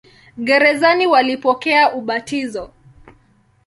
Gerezani walipokea ubatizo.